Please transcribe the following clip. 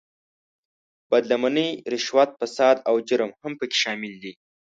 بد لمنۍ، رشوت، فساد او جرم هم په کې شامل دي.